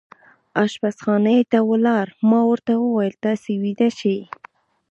اشپزخانې ته ولاړ، ما ورته وویل: تاسې ویده شئ.